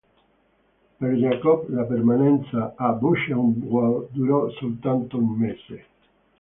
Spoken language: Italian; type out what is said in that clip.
Per Jacob la permanenza a Buchenwald durò soltanto un mese.